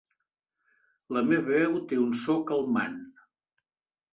La meva veu té un so calmant.